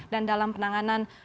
dan dalam penanganan